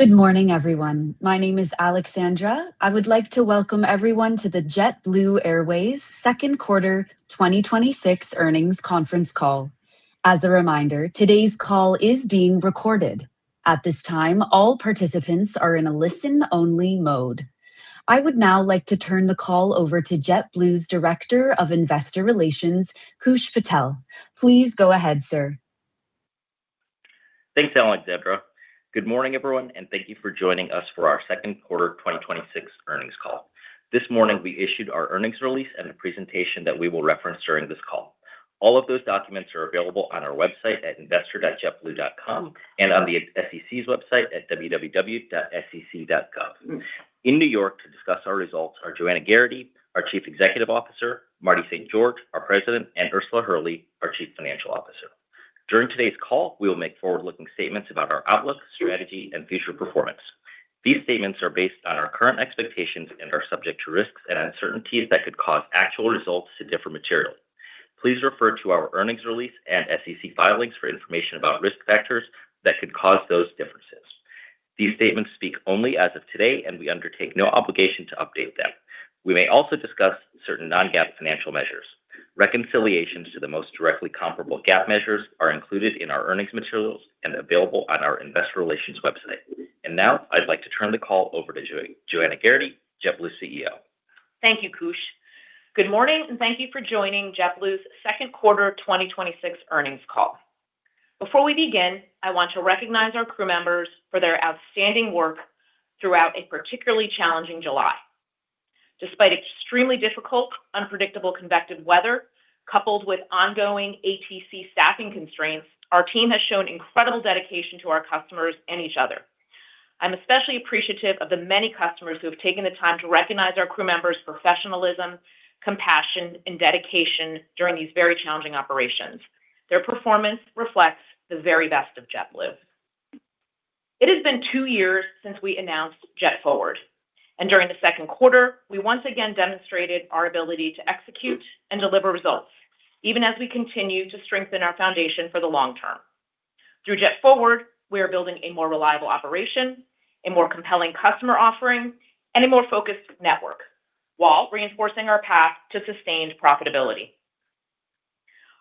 Good morning, everyone. My name is Alexandra. I would like to welcome everyone to the JetBlue Airways second quarter 2026 earnings conference call. As a reminder, today's call is being recorded. At this time, all participants are in a listen-only mode. I would now like to turn the call over to JetBlue's Director of Investor Relations, Koosh Patel. Please go ahead, sir. Thanks, Alexandra. Good morning, everyone, thank you for joining us for our second quarter 2026 earnings call. This morning, we issued our earnings release and a presentation that we will reference during this call. All of those documents are available on our website at investor.jetblue.com and on the SEC's website at www.sec.gov. In New York to discuss our results are Joanna Geraghty, our Chief Executive Officer, Marty St. George, our President, and Ursula Hurley, our Chief Financial Officer. During today's call, we will make forward-looking statements about our outlook, strategy, and future performance. These statements are based on our current expectations and are subject to risks and uncertainties that could cause actual results to differ materially. Please refer to our earnings release and SEC filings for information about risk factors that could cause those differences. These statements speak only as of today, we undertake no obligation to update them. We may also discuss certain non-GAAP financial measures. Reconciliations to the most directly comparable GAAP measures are included in our earnings materials and available on our investor relations website. Now I'd like to turn the call over to Joanna Geraghty, JetBlue's CEO. Thank you, Koosh. Good morning, thank you for joining JetBlue's second quarter 2026 earnings call. Before we begin, I want to recognize our crew members for their outstanding work throughout a particularly challenging July. Despite extremely difficult, unpredictable convective weather, coupled with ongoing ATC staffing constraints, our team has shown incredible dedication to our customers and each other. I'm especially appreciative of the many customers who have taken the time to recognize our crew members' professionalism, compassion, and dedication during these very challenging operations. Their performance reflects the very best of JetBlue. It has been two years since we announced JetForward, during the second quarter, we once again demonstrated our ability to execute and deliver results, even as we continue to strengthen our foundation for the long term. Through JetForward, we are building a more reliable operation, a more compelling customer offering, and a more focused network while reinforcing our path to sustained profitability.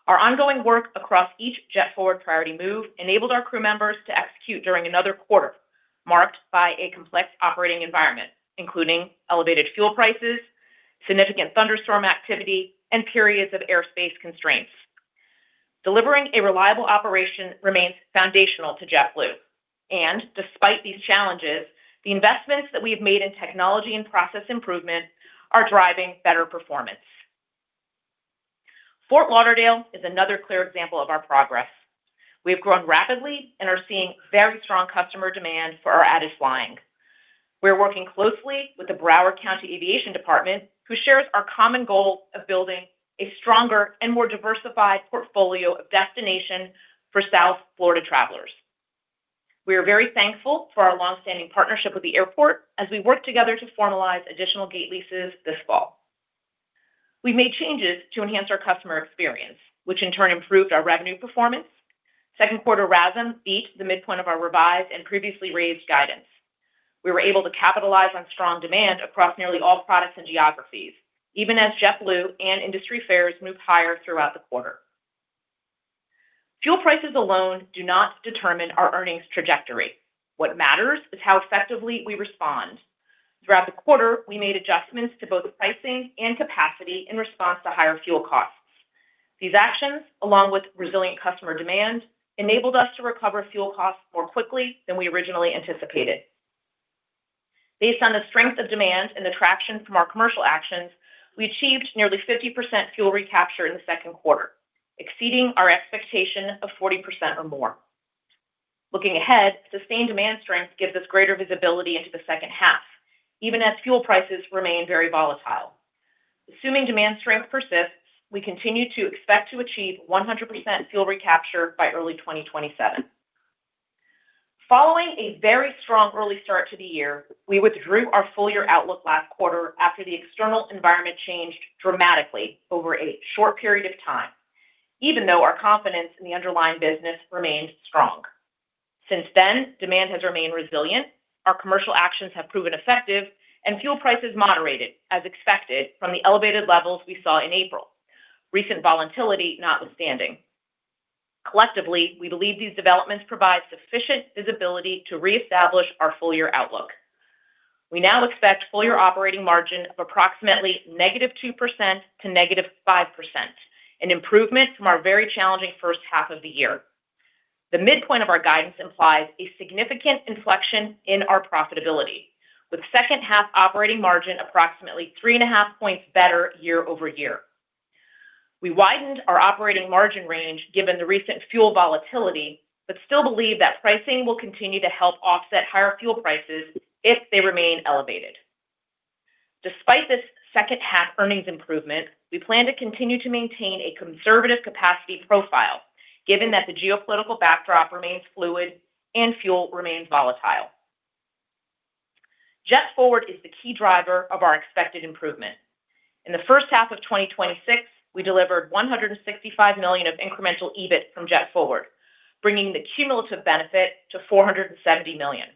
Our ongoing work across each JetForward priority move enabled our crew members to execute during another quarter marked by a complex operating environment, including elevated fuel prices, significant thunderstorm activity, and periods of airspace constraints. Delivering a reliable operation remains foundational to JetBlue. Despite these challenges, the investments that we've made in technology and process improvement are driving better performance. Fort Lauderdale is another clear example of our progress. We have grown rapidly and are seeing very strong customer demand for our added flying. We're working closely with the Broward County Aviation Department, who shares our common goal of building a stronger and more diversified portfolio of destinations for South Florida travelers. We are very thankful for our long-standing partnership with the airport as we work together to formalize additional gate leases this fall. We made changes to enhance our customer experience, which in turn improved our revenue performance. second quarter RASM beat the midpoint of our revised and previously raised guidance. We were able to capitalize on strong demand across nearly all products and geographies, even as JetBlue and industry fares moved higher throughout the quarter. Fuel prices alone do not determine our earnings trajectory. What matters is how effectively we respond. Throughout the quarter, we made adjustments to both pricing and capacity in response to higher fuel costs. These actions, along with resilient customer demand, enabled us to recover fuel costs more quickly than we originally anticipated. Based on the strength of demand and the traction from our commercial actions, we achieved nearly 50% fuel recapture in the second quarter, exceeding our expectation of 40% or more. Looking ahead, sustained demand strength gives us greater visibility into the second half, even as fuel prices remain very volatile. Assuming demand strength persists, we continue to expect to achieve 100% fuel recapture by early 2027. Following a very strong early start to the year, we withdrew our full-year outlook last quarter after the external environment changed dramatically over a short period of time, even though our confidence in the underlying business remained strong. Since then, demand has remained resilient, our commercial actions have proven effective, and fuel prices moderated as expected from the elevated levels we saw in April, recent volatility notwithstanding. Collectively, we believe these developments provide sufficient visibility to reestablish our full-year outlook. We now expect full-year operating margin of approximately -2% to -5%, an improvement from our very challenging first half of the year. The midpoint of our guidance implies a significant inflection in our profitability, with second half operating margin approximately 3.5 points better year-over-year. We widened our operating margin range given the recent fuel volatility, still believe that pricing will continue to help offset higher fuel prices if they remain elevated. Despite this second half earnings improvement, we plan to continue to maintain a conservative capacity profile given that the geopolitical backdrop remains fluid and fuel remains volatile. JetForward is the key driver of our expected improvement. In the first half of 2026, we delivered $165 million of incremental EBIT from JetForward, bringing the cumulative benefit to $470 million.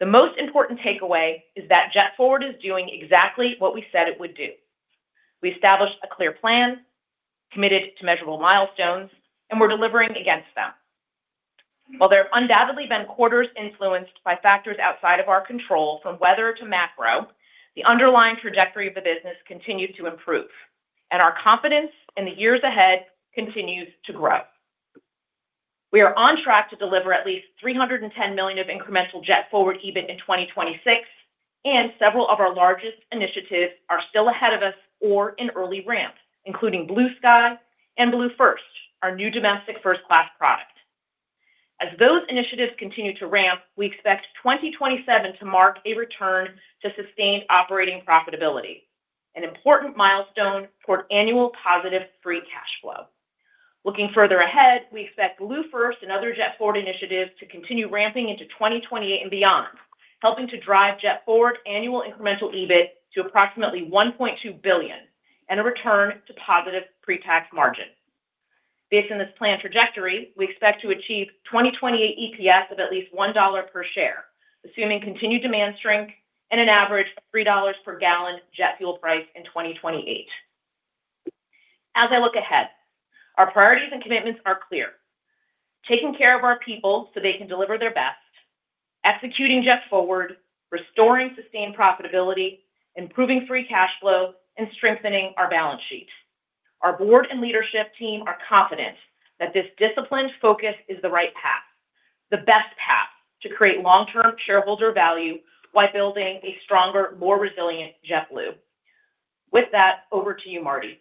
The most important takeaway is that JetForward is doing exactly what we said it would do. We established a clear plan, committed to measurable milestones, and we're delivering against them. While there have undoubtedly been quarters influenced by factors outside of our control, from weather to macro, the underlying trajectory of the business continues to improve, and our confidence in the years ahead continues to grow. We are on track to deliver at least $310 million of incremental JetForward EBIT in 2026, and several of our largest initiatives are still ahead of us or in early ramp, including Blue Sky and BlueFirst, our new domestic first-class product. As those initiatives continue to ramp, we expect 2027 to mark a return to sustained operating profitability, an important milestone toward annual positive free cash flow. Looking further ahead, we expect BlueFirst and other JetForward initiatives to continue ramping into 2028 and beyond, helping to drive JetForward annual incremental EBIT to approximately $1.2 billion and a return to positive pre-tax margin. Based on this planned trajectory, we expect to achieve 2028 EPS of at least $1 per share, assuming continued demand strength and an average of $3 /gal jet fuel price in 2028. As I look ahead, our priorities and commitments are clear. Taking care of our people so they can deliver their best, executing JetForward, restoring sustained profitability, improving free cash flow, and strengthening our balance sheet. Our board and leadership team are confident that this disciplined focus is the right path, the best path to create long-term shareholder value while building a stronger, more resilient JetBlue. With that, over to you, Marty.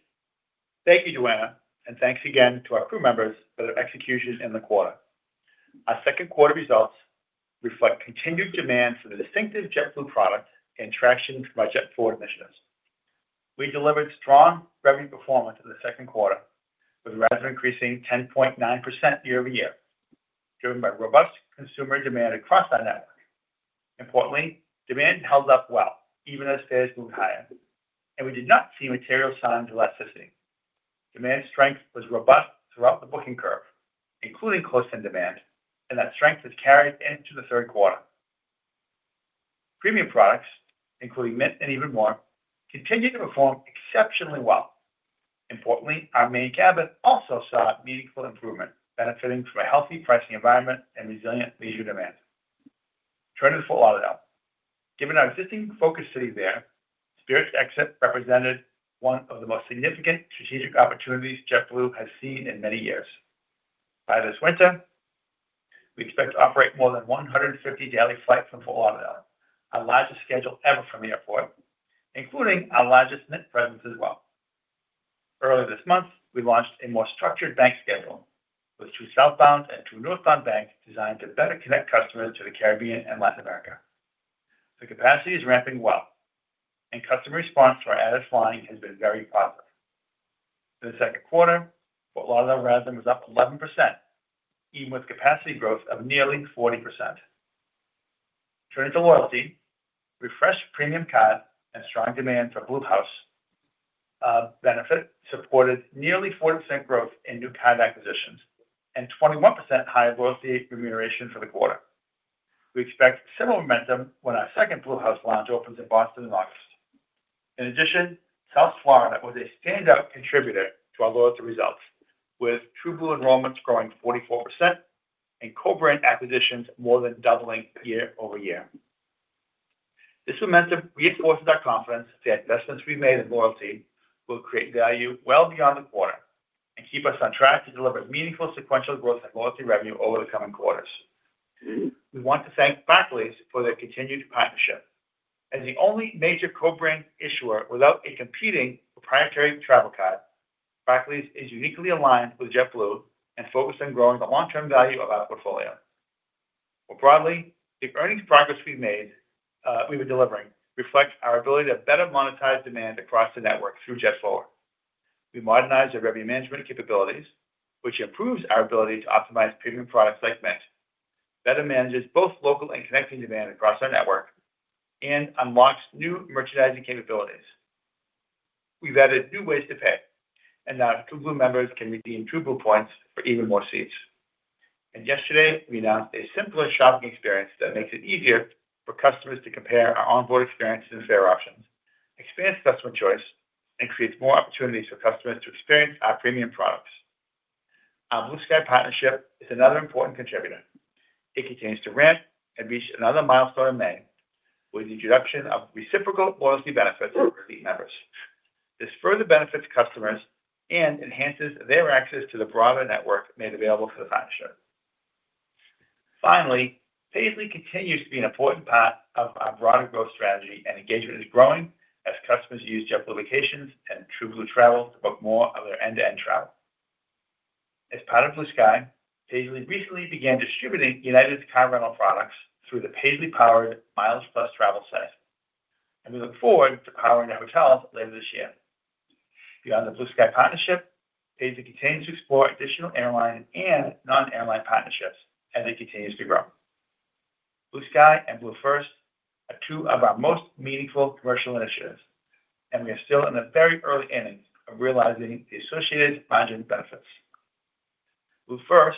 Thank you, Joanna, and thanks again to our crew members for their execution in the quarter. Our second quarter results reflect continued demand for the distinctive JetBlue product and traction from our JetForward initiatives. We delivered strong revenue performance in the second quarter, with revenue increasing 10.9% year-over-year, driven by robust consumer demand across our network. Importantly, demand held up well even as fares moved higher, and we did not see material signs of elasticity. Demand strength was robust throughout the booking curve, including close-in demand, and that strength has carried into the third quarter. Premium products, including Mint and EvenMore, continue to perform exceptionally well. Importantly, our Main cabin also saw meaningful improvement, benefiting from a healthy pricing environment and resilient leisure demand. Turning to Fort Lauderdale. Given our existing focus city there, Spirit Airlines' exit represented one of the most significant strategic opportunities JetBlue has seen in many years. By this winter, we expect to operate more than 150 daily flights from Fort Lauderdale, our largest schedule ever from the airport, including our largest Mint presence as well. Earlier this month, we launched a more structured bank schedule with two southbounds and two northbound banks designed to better connect customers to the Caribbean and Latin America. The capacity is ramping well, and customer response to our added flying has been very positive. In the second quarter, Fort Lauderdale revenue was up 11%, even with capacity growth of nearly 40%. Turning to loyalty. Refreshed premium card and strong demand for BlueHouse benefit supported nearly 40% growth in new card acquisitions and 21% higher loyalty remuneration for the quarter. We expect similar momentum when our second BlueHouse launch opens in Boston in August. In addition, South Florida was a standout contributor to our loyalty results, with TrueBlue enrollments growing 44% and co-brand acquisitions more than doubling year-over-year. This momentum reinforces our confidence that investments we made in loyalty will create value well beyond the quarter and keep us on track to deliver meaningful sequential growth and loyalty revenue over the coming quarters. We want to thank Barclays for their continued partnership. As the only major co-brand issuer without a competing proprietary travel card, Barclays is uniquely aligned with JetBlue and focused on growing the long-term value of our portfolio. More broadly, the earnings progress we've made, we've been delivering reflects our ability to better monetize demand across the network through JetForward. We modernized our revenue management capabilities, which improves our ability to optimize premium products like Mint, better manages both local and connecting demand across our network, and unlocks new merchandising capabilities. We've added new ways to pay, now TrueBlue members can redeem TrueBlue points for EvenMore seats. Yesterday, we announced a simpler shopping experience that makes it easier for customers to compare our onboard experiences and fare options, expands customer choice, and creates more opportunities for customers to experience our premium products. Our Blue Sky partnership is another important contributor. It continues to ramp and reached another milestone in May with the introduction of reciprocal loyalty benefits for elite members. This further benefits customers and enhances their access to the broader network made available through the partnership. Finally, Paisly continues to be an important part of our broader growth strategy, engagement is growing as customers use JetBlue Vacations and TrueBlue Travel to book more of their end-to-end travel. As part of Blue Sky, Paisly recently began distributing United's car rental products through the Paisly-powered Miles+ travel We look forward to powering our hotels later this year. Beyond the Blue Sky partnership, JetBlue continues to explore additional airline and non-airline partnerships as it continues to grow. Blue Sky and BlueFirst are two of our most meaningful commercial initiatives, we are still in the very early innings of realizing the associated margin benefits. BlueFirst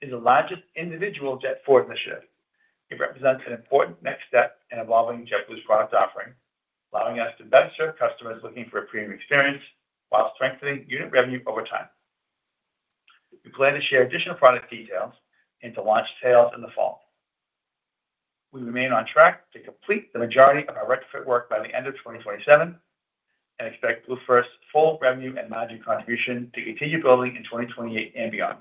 is the largest individual JetForward initiative. It represents an important next step in evolving JetBlue's product offering, allowing us to better serve customers looking for a premium experience while strengthening unit revenue over time. We plan to share additional product details and to launch sales in the fall. We remain on track to complete the majority of our retrofit work by the end of 2027 and expect BlueFirst full revenue and margin contribution to continue building in 2028 and beyond.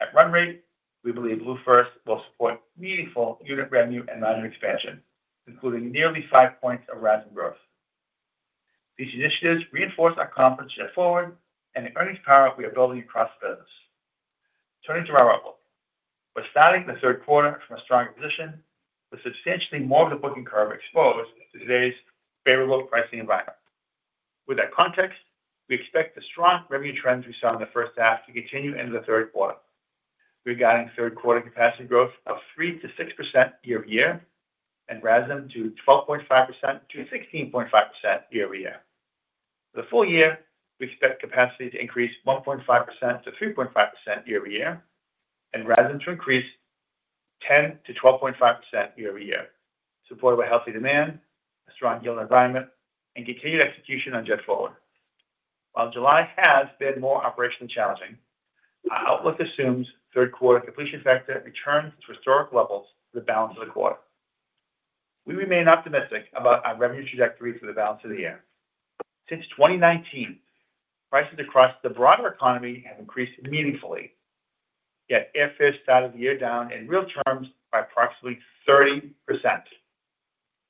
At run rate, we believe BlueFirst will support meaningful unit revenue and margin expansion, including nearly five points of RASM growth. These initiatives reinforce our confidence in JetForward and the earnings power we are building across the business. Turning to our outlook. We're starting the third quarter from a stronger position with substantially more of the booking curve exposed to today's favorable pricing environment. With that context, we expect the strong revenue trends we saw in the first half to continue into the third quarter, regarding third quarter capacity growth of 3%-6% year-over-year and RASM 12.5%-16.5% year-over-year. For the full year, we expect capacity to increase 1.5%-3.5% year-over-year and RASM to increase 10%-12.5% year-over-year, supported by healthy demand, a strong yield environment, and continued execution on JetForward. While July has been more operationally challenging, our outlook assumes third quarter completion factor returns to historic levels for the balance of the quarter. We remain optimistic about our revenue trajectory for the balance of the year. Since 2019, prices across the broader economy have increased meaningfully, yet airfares started the year down in real terms by approximately 30%.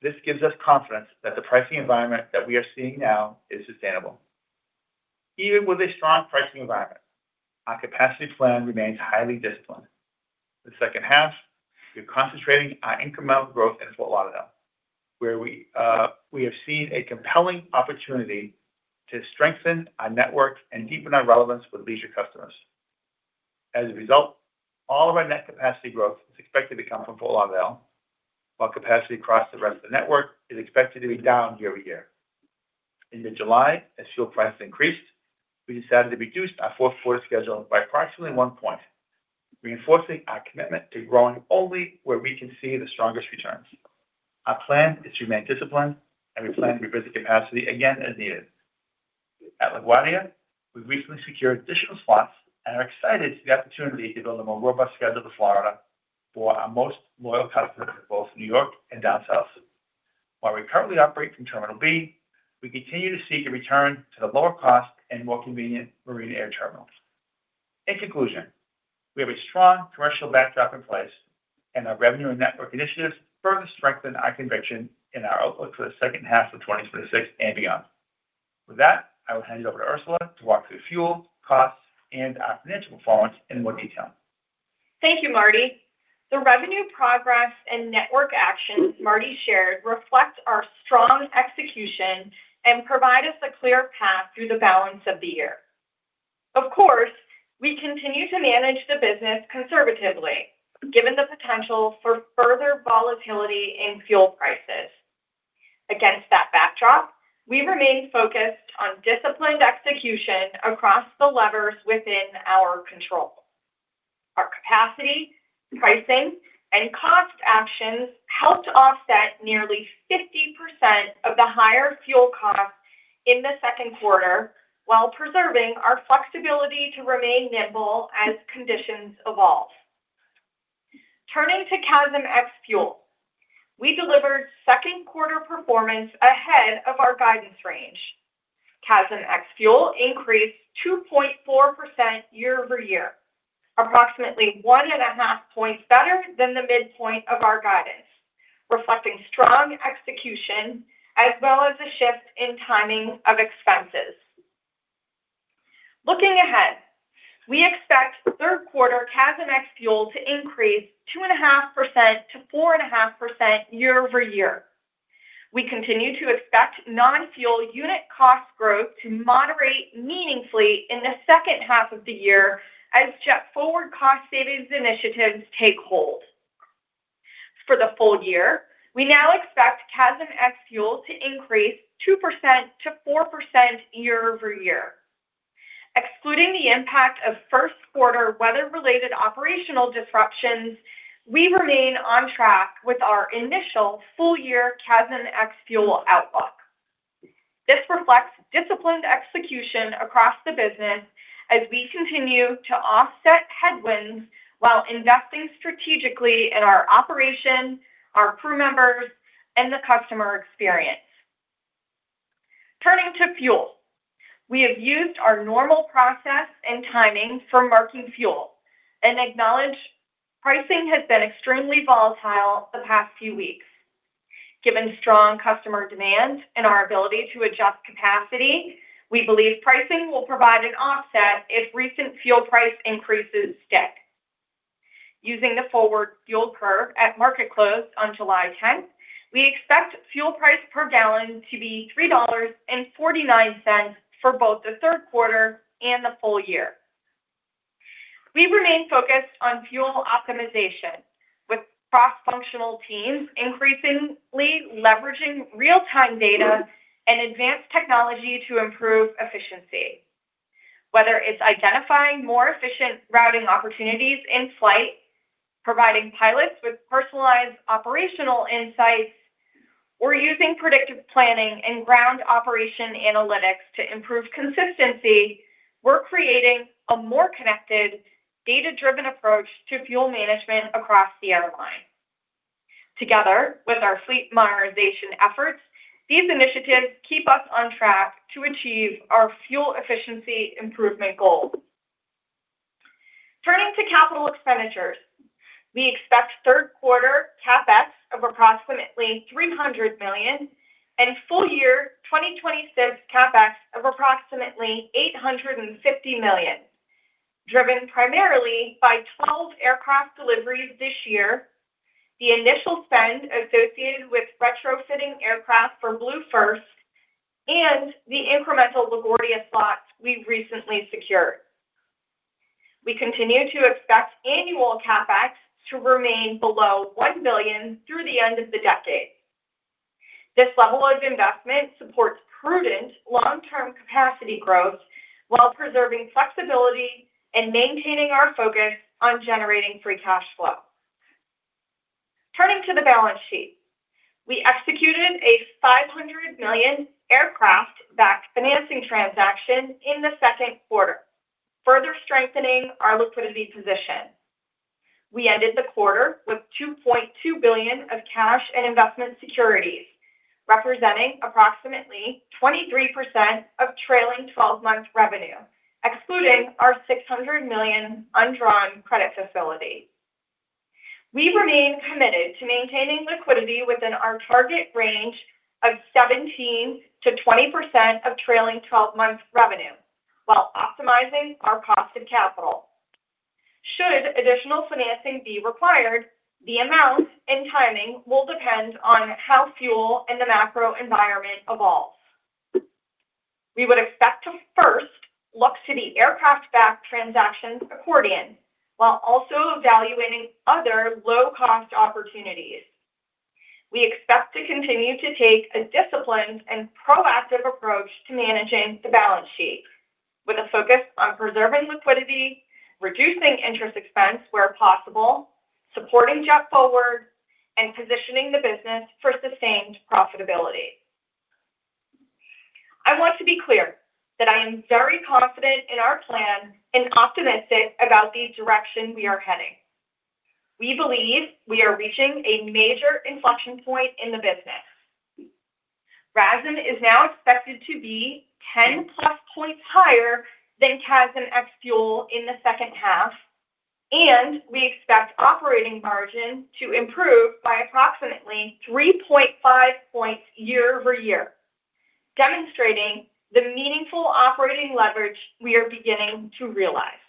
This gives us confidence that the pricing environment that we are seeing now is sustainable. Even with a strong pricing environment, our capacity plan remains highly disciplined. The second half, we're concentrating our incremental growth into Fort Lauderdale, where we have seen a compelling opportunity to strengthen our network and deepen our relevance with leisure customers. As a result, all of our net capacity growth is expected to come from Fort Lauderdale, while capacity across the rest of the network is expected to be down year-over-year. In mid-July, as fuel prices increased, we decided to reduce our fourth quarter schedule by approximately one point, reinforcing our commitment to growing only where we can see the strongest returns. Our plan is to remain disciplined. We plan to revisit capacity again as needed. At LaGuardia, we've recently secured additional slots and are excited for the opportunity to build a more robust schedule to Florida for our most loyal customers in both New York and down south. While we currently operate from Terminal B, we continue to seek a return to the lower cost and more convenient Marine Air Terminal. In conclusion, we have a strong commercial backdrop in place and our revenue and network initiatives further strengthen our conviction in our outlook for the second half of 2026 and beyond. With that, I will hand it over to Ursula to walk through fuel costs and our financial performance in more detail. Thank you, Marty. The revenue progress and network actions Marty shared reflect our strong execution and provide us a clear path through the balance of the year. Of course, we continue to manage the business conservatively, given the potential for further volatility in fuel prices. Against that backdrop, we remain focused on disciplined execution across the levers within our control. Our capacity, pricing, and cost actions helped offset nearly 50% of the higher fuel costs in the second quarter while preserving our flexibility to remain nimble as conditions evolve. Turning to CASM ex-fuel, we delivered second quarter performance ahead of our guidance range. CASM ex-fuel increased 2.4% year-over-year, approximately one and a half points better than the midpoint of our guidance, reflecting strong execution as well as a shift in timing of expenses. Looking ahead, we expect third quarter CASM ex-fuel to increase 2.5%-4.5% year-over-year. We continue to expect non-fuel unit cost growth to moderate meaningfully in the second half of the year as JetForward cost savings initiatives take hold. For the full year, we now expect CASM ex-fuel to increase 2%-4% year-over-year. Excluding the impact of first quarter weather-related operational disruptions, we remain on track with our initial full year CASM ex-fuel outlook. This reflects disciplined execution across the business as we continue to offset headwinds while investing strategically in our operation, our crew members, and the customer experience. Turning to fuel. We have used our normal process and timing for marking fuel and acknowledge pricing has been extremely volatile the past few weeks. Given strong customer demand and our ability to adjust capacity, we believe pricing will provide an offset if recent fuel price increases stick. Using the forward fuel curve at market close on July 10th, we expect fuel price per gallon to be $3.49 for both the third quarter and the full year. We remain focused on fuel optimization with cross-functional teams increasingly leveraging real-time data and advanced technology to improve efficiency. Whether it's identifying more efficient routing opportunities in flight, providing pilots with personalized operational insights, or using predictive planning and ground operation analytics to improve consistency, we're creating a more connected, data-driven approach to fuel management across the airline. Together with our fleet modernization efforts, these initiatives keep us on track to achieve our fuel efficiency improvement goals. Turning to capital expenditures, we expect third quarter CapEx of approximately $300 million, and full year 2026 CapEx of approximately $850 million, driven primarily by 12 aircraft deliveries this year, the initial spend associated with retrofitting aircraft for BlueFirst, and the incremental LaGuardia slots we recently secured. We continue to expect annual CapEx to remain below $1 billion through the end of the decade. This level of investment supports prudent long-term capacity growth while preserving flexibility and maintaining our focus on generating free cash flow. Turning to the balance sheet, we executed a $500 million aircraft-backed financing transaction in the second quarter, further strengthening our liquidity position. We ended the quarter with $2.2 billion of cash and investment securities, representing approximately 23% of trailing 12-month revenue, excluding our $600 million undrawn credit facility. We remain committed to maintaining liquidity within our target range of 17%-20% of trailing 12-month revenue while optimizing our cost of capital. Should additional financing be required, the amount and timing will depend on how fuel and the macro environment evolves. We would expect to first look to the aircraft-backed transactions accordion while also evaluating other low-cost opportunities. We expect to continue to take a disciplined and proactive approach to managing the balance sheet with a focus on preserving liquidity, reducing interest expense where possible, supporting JetForward, and positioning the business for sustained profitability. I want to be clear that I am very confident in our plan and optimistic about the direction we are heading. We believe we are reaching a major inflection point in the business. RASM is now expected to be 10+ points higher than CASM ex-fuel in the second half, and we expect operating margin to improve by approximately 3.5 points year-over-year, demonstrating the meaningful operating leverage we are beginning to realize.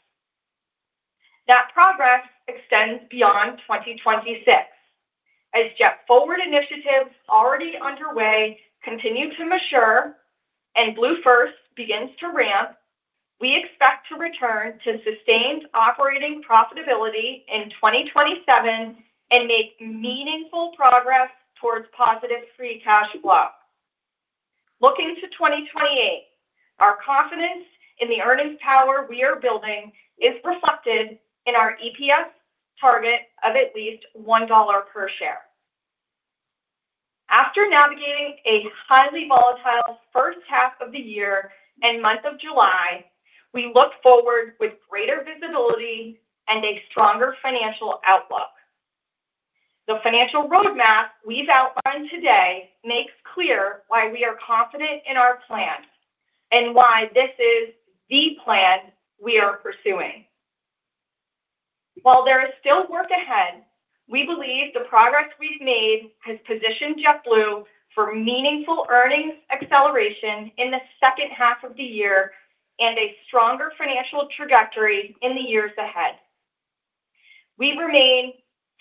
That progress extends beyond 2026. As JetForward initiatives already underway continue to mature and BlueFirst begins to ramp, we expect to return to sustained operating profitability in 2027 and make meaningful progress towards positive free cash flow. Looking to 2028, our confidence in the earnings power we are building is reflected in our EPS target of at least $1 per share. After navigating a highly volatile first half of the year and month of July, we look forward with greater visibility and a stronger financial outlook. The financial roadmap we've outlined today makes clear why we are confident in our plan and why this is the plan we are pursuing. While there is still work ahead, we believe the progress we've made has positioned JetBlue for meaningful earnings acceleration in the second half of the year and a stronger financial trajectory in the years ahead. We remain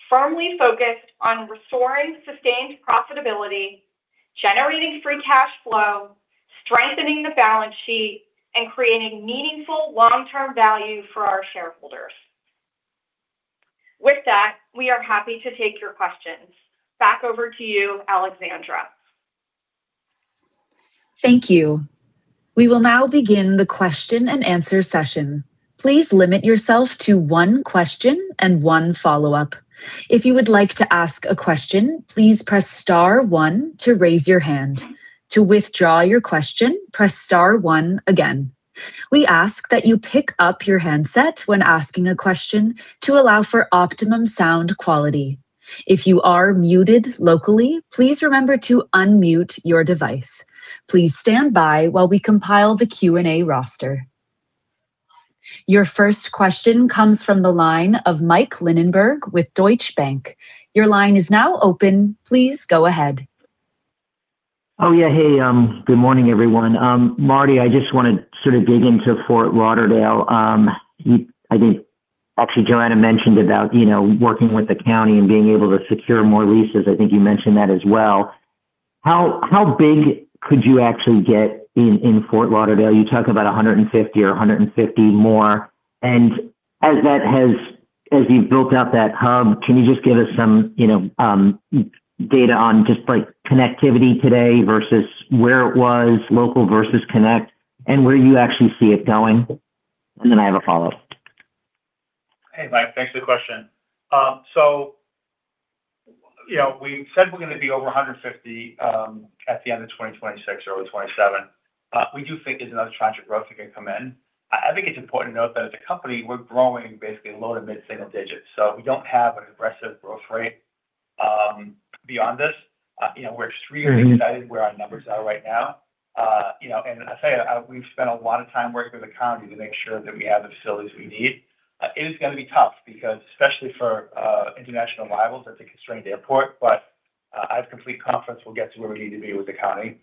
firmly focused on restoring sustained profitability, generating free cash flow, strengthening the balance sheet, and creating meaningful long-term value for our shareholders. With that, we are happy to take your questions. Back over to you, Alexandra. Thank you. We will now begin the question and answer session. Please limit yourself to one question and one follow-up. If you would like to ask a question, please press star one to raise your hand. To withdraw your question, press star one again. We ask that you pick up your handset when asking a question to allow for optimum sound quality. If you are muted locally, please remember to unmute your device. Please stand by while we compile the Q&A roster. Your first question comes from the line of Mike Linenberg with Deutsche Bank. Your line is now open. Please go ahead. Yeah. Hey, good morning everyone. Marty, I just want to sort of dig into Fort Lauderdale. I think actually Joanna mentioned about working with the county and being able to secure more leases. I think you mentioned that as well. How big could you actually get in Fort Lauderdale? You talk about 150 or 150 more, and as you've built out that hub, can you just give us some data on just connectivity today versus where it was local versus connect, and where you actually see it going? Then I have a follow-up. Hey, Mike. Thanks for the question. We said we're going to be over 150 at the end of 2026 or early 2027. We do think there's another tranche of growth that can come in. I think it's important to note that as a company, we're growing basically low to mid single-digits. We don't have an aggressive growth rate beyond this. We're extremely excited where our numbers are right now. I say we've spent a lot of time working with the County to make sure that we have the facilities we need. It is going to be tough because especially for international arrivals, that's a constrained airport. I have complete confidence we'll get to where we need to be with the County.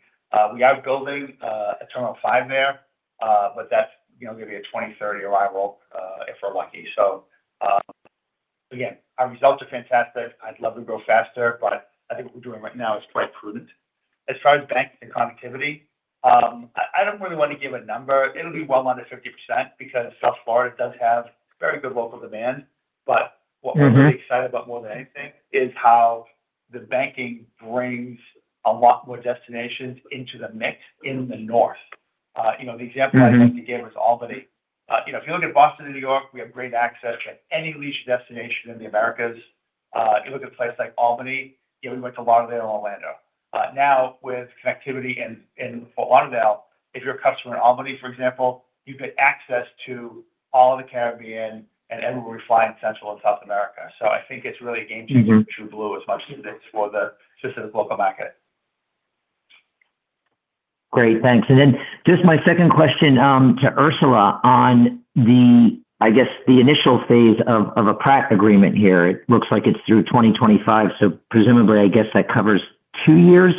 We are building a Terminal 5 there, but that's going to be a 2030 arrival, if we're lucky. Again, our results are fantastic. I'd love to grow faster, but I think what we're doing right now is quite prudent. As far as banking connectivity, I don't really want to give a number. It'll be well under 50% because South Florida does have very good local demand. What we're very excited about more than anything is how the banking brings a lot more destinations into the mix in the North. The example I think you gave was Albany. If you look at Boston and New York, we have great access to any leisure destination in the Americas. If you look at places like Albany, we went to Lauderdale and Orlando. Now, with connectivity in Fort Lauderdale, if you're a customer in Albany, for example, you get access to all of the Caribbean and everywhere we fly in Central and South America. I think it's really a game changer for Blue as much as it is for just a local market. Just my second question to Ursula on the initial phase of a Pratt & Whitney agreement here. It looks like it is through 2025, so presumably, I guess that covers two years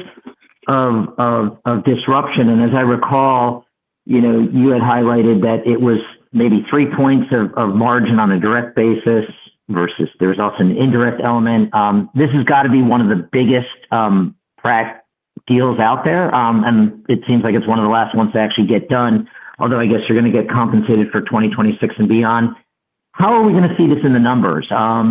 of disruption. As I recall, you had highlighted that it was maybe three points of margin on a direct basis versus there is also an indirect element. This has got to be one of the biggest Pratt & Whitney deals out there. It seems like it is one of the last ones to actually get done, although I guess you are going to get compensated for 2026 and beyond. How are we going to see this in the numbers? How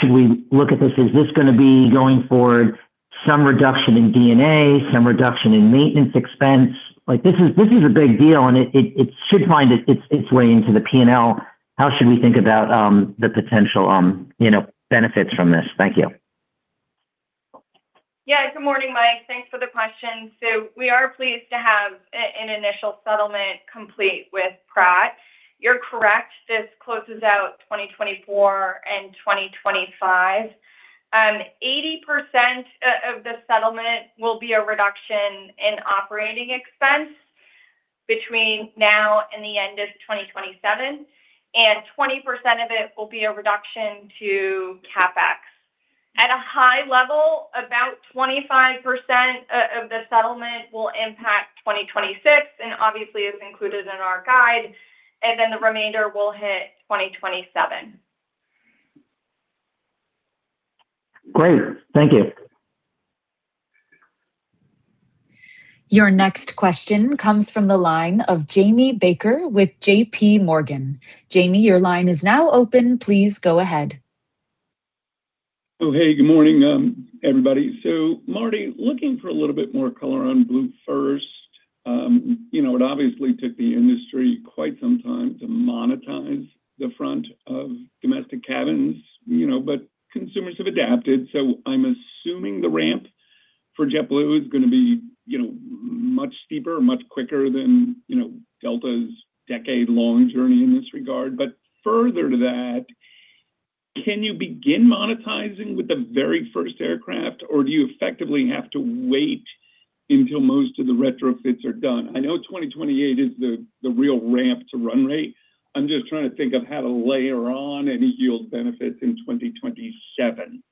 should we look at this? Is this going to be, going forward, some reduction in D&A, some reduction in maintenance expense? This is a big deal and it should find its way into the P&L. How should we think about the potential benefits from this? Thank you. Good morning, Mike. Thanks for the question. We are pleased to have an initial settlement complete with Pratt & Whitney. You are correct, this closes out 2024 and 2025. 80% of the settlement will be a reduction in operating expense between now and the end of 2027, and 20% of it will be a reduction to CapEx. At a high level, about 25% of the settlement will impact 2026, and obviously is included in our guide, and then the remainder will hit 2027. Great. Thank you. Your next question comes from the line of Jamie Baker with JPMorgan. Jamie, your line is now open. Please go ahead. Hey. Good morning, everybody. Marty, looking for a little bit more color on BlueFirst. It obviously took the industry quite some time to monetize the front of domestic cabins, but consumers have adapted, so I'm assuming the ramp for JetBlue is going to be much steeper, much quicker than Delta's decade-long journey in this regard. Further to that, can you begin monetizing with the very first aircraft, or do you effectively have to wait until most of the retrofits are done? I know 2028 is the real ramp to run rate. I'm just trying to think of how to layer on any yield benefits in 2027.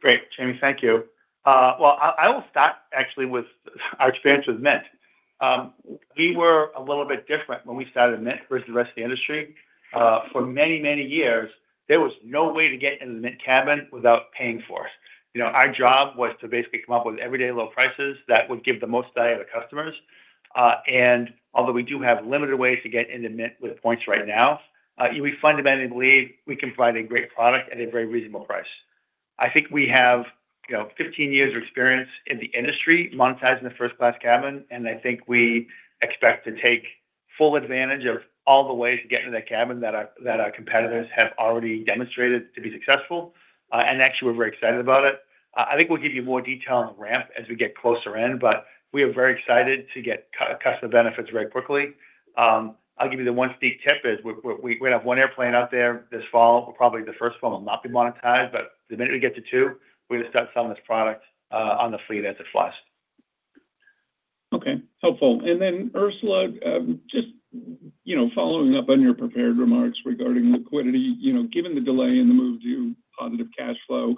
Great, Jamie. Thank you. I will start actually with our experience with Mint. We were a little bit different when we started Mint versus the rest of the industry. For many, many years, there was no way to get into the Mint cabin without paying for it. Our job was to basically come up with everyday low prices that would give the most value to customers. Although we do have limited ways to get into Mint with points right now, we fundamentally believe we can provide a great product at a very reasonable price. I think we have 15 years of experience in the industry monetizing the first-class cabin, and I think we expect to take full advantage of all the ways to get into that cabin that our competitors have already demonstrated to be successful. Actually, we're very excited about it. I think we'll give you more detail on the ramp as we get closer in, but we are very excited to get customer benefits very quickly. I'll give you the one sneak tip is, we're going to have one airplane out there this fall, probably the first one will not be monetized, but the minute we get to two, we're going to start selling this product on the fleet as it flies. Okay, helpful. Ursula, just following up on your prepared remarks regarding liquidity. Given the delay in the move to positive cash flow,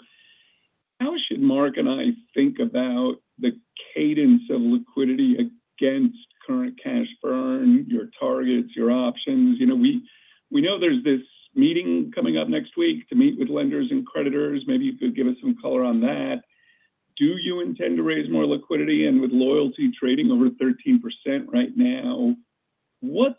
how should Mark and I think about the cadence of liquidity against current cash burn, your targets, your options? We know there's this meeting coming up next week to meet with lenders and creditors. Maybe you could give us some color on that. Do you intend to raise more liquidity? With loyalty trading over 13% right now, what's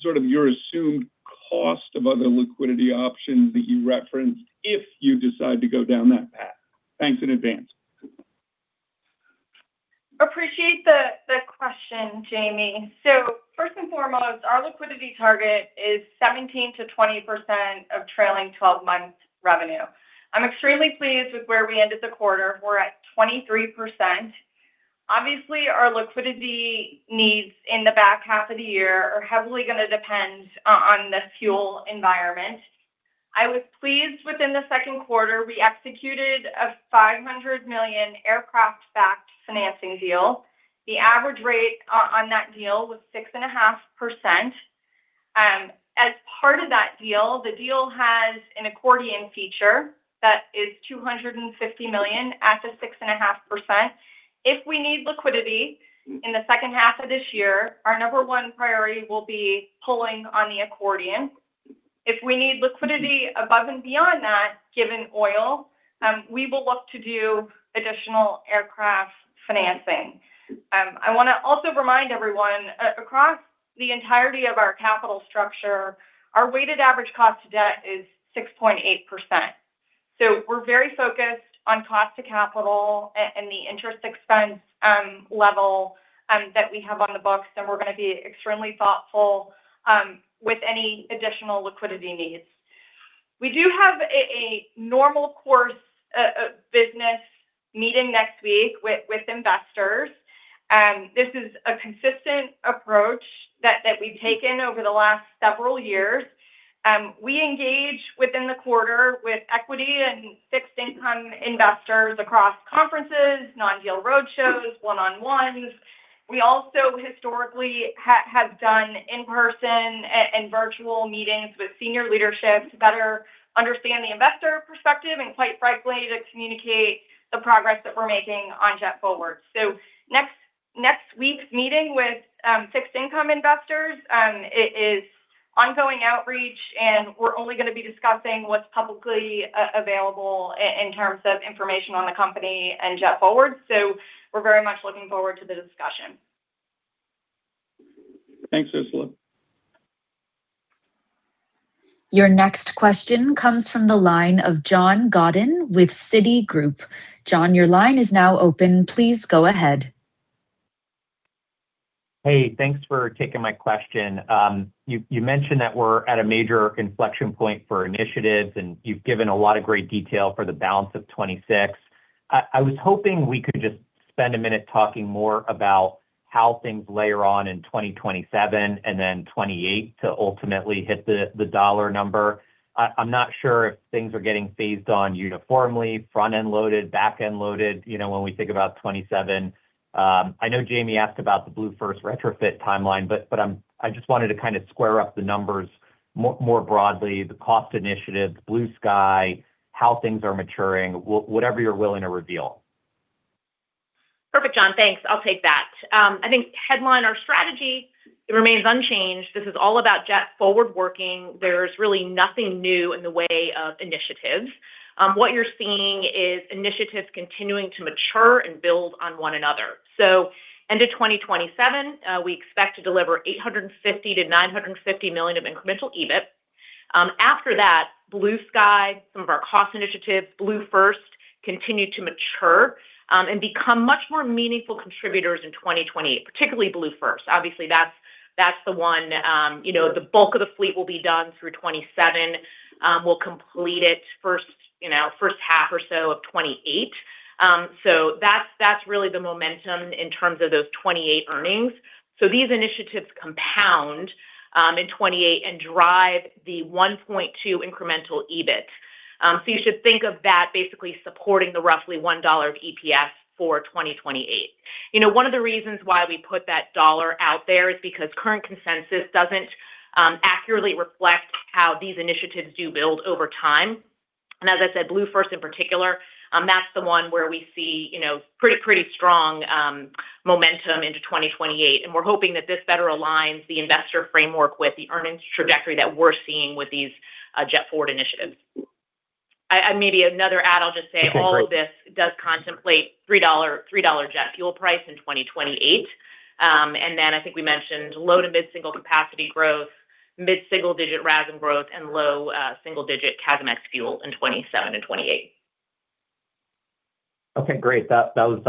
your assumed cost of other liquidity options that you referenced if you decide to go down that path? Thanks in advance. Appreciate the question, Jamie. First and foremost, our liquidity target is 17%-20% of trailing 12-month revenue. I'm extremely pleased with where we ended the quarter. We're at 23%. Obviously, our liquidity needs in the back half of the year are heavily going to depend on the fuel environment. I was pleased within the second quarter, we executed a $500 million aircraft-backed financing deal. The average rate on that deal was 6.5%. As part of that deal, the deal has an accordion feature that is $250 million at the 6.5%. If we need liquidity in the second half of this year, our number one priority will be pulling on the accordion. If we need liquidity above and beyond that, given oil, we will look to do additional aircraft financing. I want to also remind everyone, across the entirety of our capital structure, our weighted average cost to debt is 6.8%. We're very focused on cost to capital and the interest expense level that we have on the books, and we're going to be extremely thoughtful with any additional liquidity needs. We do have a normal course business meeting next week with investors. This is a consistent approach that we've taken over the last several years. We engage within the quarter with equity and fixed income investors across conferences, non-deal roadshows, one-on-ones. We also historically have done in-person and virtual meetings with senior leadership to better understand the investor perspective, and quite frankly, to communicate the progress that we're making on JetForward. Next week's meeting with fixed income investors, it is ongoing outreach, and we're only going to be discussing what's publicly available in terms of information on the company and JetForward. We're very much looking forward to the discussion. Thanks, Ursula. Your next question comes from the line of John Godyn with Citigroup. John, your line is now open. Please go ahead. Hey, thanks for taking my question. You mentioned that we're at a major inflection point for initiatives, and you've given a lot of great detail for the balance of 2026. I was hoping we could just spend a minute talking more about how things layer on in 2027 and then 2028 to ultimately hit the dollar number. I'm not sure if things are getting phased on uniformly, front-end loaded, back-end loaded, when we think about 2027. I know Jamie asked about the BlueFirst retrofit timeline, but I just wanted to square up the numbers more broadly, the cost initiatives, Blue Sky, how things are maturing, whatever you're willing to reveal. Perfect, John. Thanks, I'll take that. I think headline our strategy, it remains unchanged. This is all about JetForward working. There's really nothing new in the way of initiatives. What you're seeing is initiatives continuing to mature and build on one another. End of 2027, we expect to deliver $850 million-$950 million of incremental EBIT. After that, Blue Sky, some of our cost initiatives, BlueFirst, continue to mature and become much more meaningful contributors in 2028, particularly BlueFirst. Obviously, that's the one the bulk of the fleet will be done through 2027. We'll complete it first half or so of 2028. That's really the momentum in terms of those 2028 earnings. These initiatives compound in 2028 and drive the $1.2 billion incremental EBIT. You should think of that basically supporting the roughly $1 of EPS for 2028. One of the reasons why we put that dollar out there is because current consensus doesn't accurately reflect how these initiatives do build over time. As I said, BlueFirst in particular, that's the one where we see pretty strong momentum into 2028, and we're hoping that this better aligns the investor framework with the earnings trajectory that we're seeing with these JetForward initiatives. Maybe another add, I'll just say all of this does contemplate $3 jet fuel price in 2028. I think we mentioned low to mid-single capacity growth, mid single-digit RASM growth, and low single-digit CASM ex-fuel in 2027 and 2028. Okay, great. That was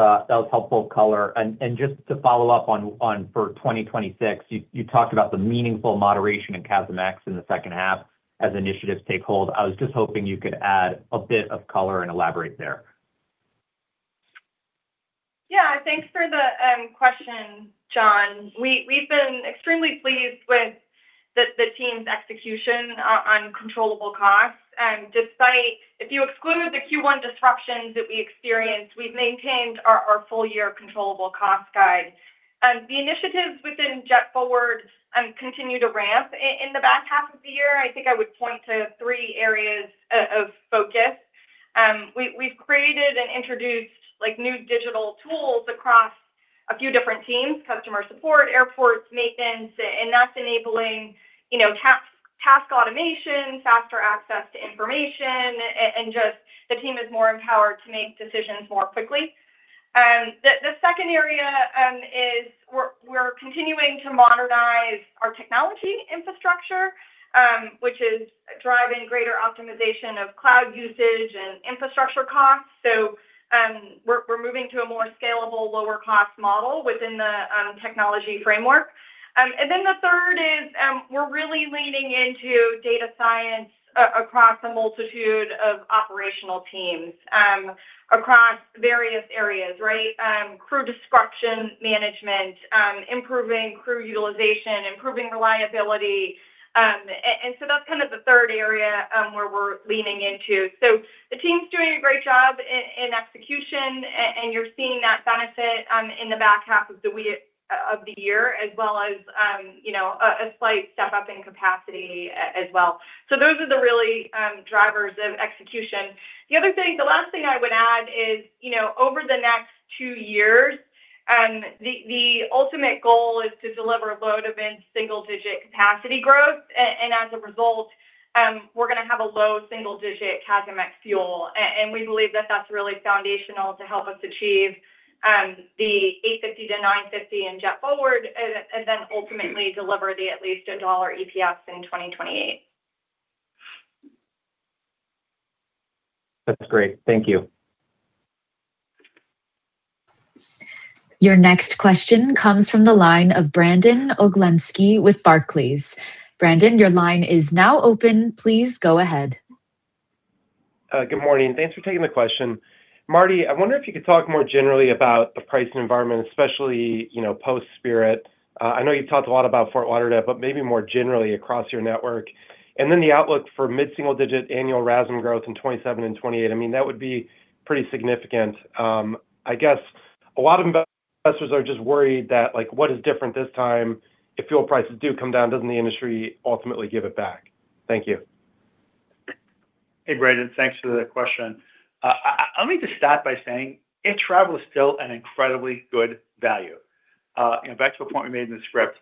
helpful color. Just to follow up on for 2026, you talked about the meaningful moderation in CASM ex-fuel in the second half as initiatives take hold. I was just hoping you could add a bit of color and elaborate there. Yeah. Thanks for the question, John. We've been extremely pleased with the team's execution on controllable costs. If you exclude the Q1 disruptions that we experienced, we've maintained our full-year controllable cost guide. The initiatives within JetForward continue to ramp in the back half of the year. I think I would point to three areas of focus. We've created and introduced new digital tools across a few different teams, customer support, airports, maintenance, and that's enabling task automation, faster access to information, and just the team is more empowered to make decisions more quickly. The second area is we're continuing to modernize our technology infrastructure, which is driving greater optimization of cloud usage and infrastructure costs. We're moving to a more scalable, lower-cost model within the technology framework. The third is, we're really leaning into data science across a multitude of operational teams, across various areas, right? Crew disruption management, improving crew utilization, improving reliability. That's kind of the third area where we're leaning into. The team's doing a great job in execution, and you're seeing that benefit in the back half of the year as well as a slight step-up in capacity as well. Those are the really drivers of execution. The last thing I would add is, over the next two years, the ultimate goal is to deliver low to mid single-digit capacity growth. As a result, we're going to have a low single-digit CASM ex-fuel. We believe that that's really foundational to help us achieve the $850 million-$950 million in JetForward and ultimately deliver at least a $1 EPS in 2028. That's great. Thank you. Your next question comes from the line of Brandon Oglenski with Barclays. Brandon, your line is now open. Please go ahead. Good morning. Thanks for taking the question. Marty, I wonder if you could talk more generally about the pricing environment, especially post-Spirit Airlines. I know you've talked a lot about Fort Lauderdale, but maybe more generally across your network. The outlook for mid single-digit annual RASM growth in 2027 and 2028. That would be pretty significant. I guess a lot of investors are just worried that what is different this time? If fuel prices do come down, doesn't the industry ultimately give it back? Thank you. Hey, Brandon. Thanks for the question. Let me just start by saying air travel is still an incredibly good value. Back to a point we made in the script.